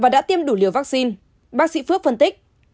và đã tiêm đủ liều vaccine bác sĩ phước phân tích